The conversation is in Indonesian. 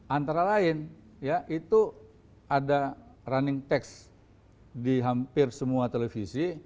antara lain ya itu ada running text di hampir semua televisi